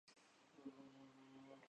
حالات خراب ہوں۔